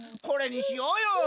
これにしようよ。